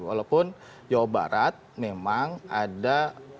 walaupun jawa barat memang ada